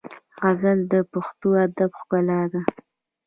غزل د پښتو ادب ښکلا ده.